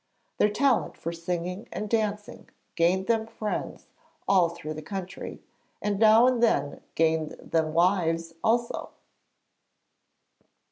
Their talent for singing and dancing gained them friends all through the country, and now and then gained them wives also.